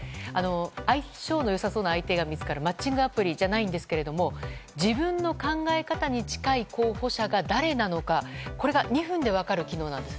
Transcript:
相性の良さそうな相手が見つかるマッチングアプリじゃないんですが自分の考え方に近い候補者が誰なのかこれが２分で分かる機能です。